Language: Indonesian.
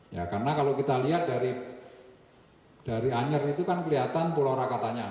ya karena kalau kita lihat dari anyer itu kan kelihatan pulau rakatanya